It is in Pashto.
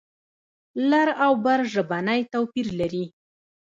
لر او بر ژبنی توپیر لري.